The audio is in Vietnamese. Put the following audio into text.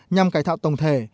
nhằm cải tạo tổng thể